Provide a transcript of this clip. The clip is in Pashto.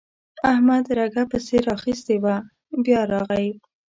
احمد رګه پسې راخيستې وه؛ بيا راغی.